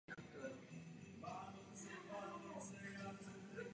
Sláva obou bratrů se rychle rozšířila a oba byli povýšeni do šlechtického stavu.